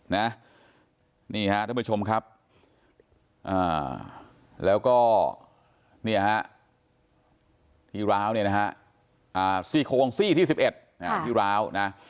ท่านผู้ชมครับแล้วก็ที่ร้าวซี่โครงซี่ที่๑๑ที่ร้าว